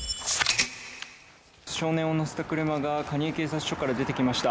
少年を乗せた車が蟹江警察署から出てきました。